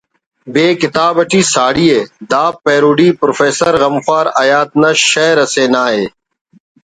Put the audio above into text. ب“ کتاب اٹی ساڑی ءِ دا پیروڈی پروفیسر غمخوار حیات نا شئیر اسے نا ءِ